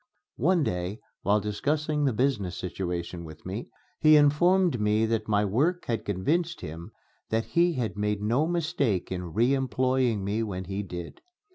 One day, while discussing the business situation with me, he informed me that my work had convinced him that he had made no mistake in re employing me when he did.